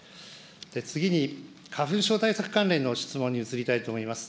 次に花粉症対策関連の質問に移りたいと思います。